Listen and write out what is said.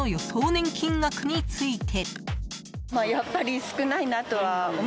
年金額について。